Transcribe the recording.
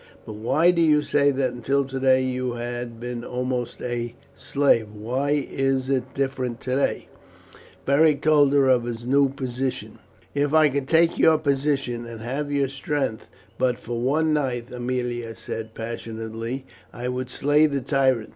But why do you say that until today you have been almost a slave? Why is it different today?" Beric told her of his new position. "If I could take your position, and have your strength but for one night," Aemilia said passionately, "I would slay the tyrant.